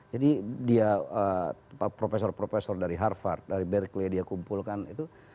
jadi dia profesor profesor dari harvard dari berkeley dia kumpulkan itu